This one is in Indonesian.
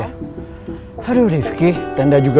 sampai jumpa di video selanjutnya